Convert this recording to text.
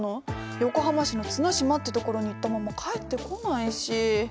横浜市の綱島って所に行ったまま帰ってこないし。